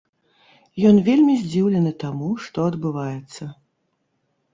Ён вельмі здзіўлены таму, што адбываецца.